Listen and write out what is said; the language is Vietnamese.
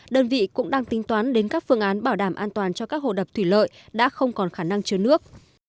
đơn vị cũng đang tính toán đến các phương án bảo đảm an toàn cho các hồ đập thủy lợi đã không còn khả năng chứa nước